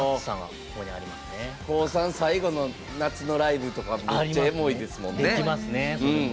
高３最後の夏のライブとかめっちゃエモいですもんね。